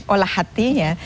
olah hati ya